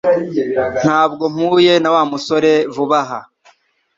Ntabwo mpuye na Wa musore vuba aha